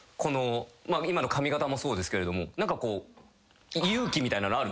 まあ今の髪形もそうですけれども何かこう勇気みたいなのあるんですか？